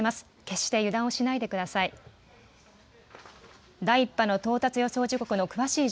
決して油断をしないでください。